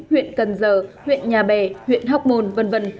huyện cần giờ huyện nhà bè huyện hóc môn v v